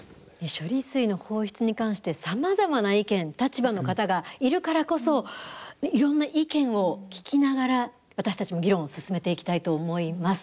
処理水の放出に関してさまざまな意見立場の方がいるからこそいろんな意見を聞きながら私たちも議論を進めていきたいと思います。